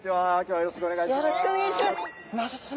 よろしくお願いします。